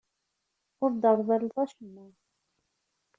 Ur d-terḍileḍ acemma.